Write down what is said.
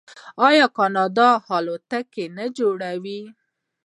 آیا کاناډا الوتکې نه جوړوي؟